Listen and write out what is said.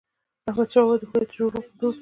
احمد شاه بابا د هویت ژغورونکی و.